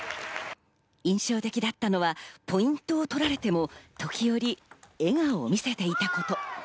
印象的だったのはポイントを取られても時折、笑顔を見せていたこと。